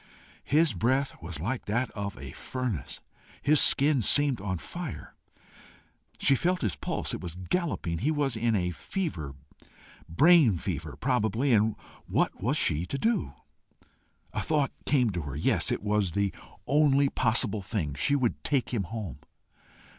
His breath was like that of a furnace. His skin seemed on fire. She felt his pulse: it was galloping. He was in a fever brain fever, probably, and what was she to do? A thought came to her. Yes, it was the only possible thing. She would take him home.